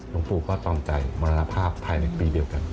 หลวงปู่ก็ตอมใจมรณภาพภายในปีเดียวกัน